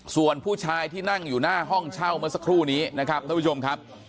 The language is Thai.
ส่วนผู้ชายที่นั่งอยู่หน้าห้องเช่าเมื่อสักครู่นี้นะครับท่านผู้ชมครับ